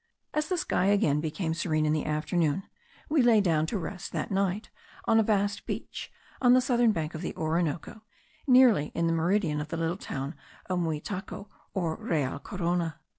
As the sky again became serene in the afternoon, we lay down to rest that night on a vast beach, on the southern bank of the Orinoco, nearly in the meridian of the little town of Muitaco, or Real Corona.